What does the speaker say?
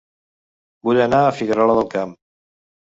Vull anar a Figuerola del Camp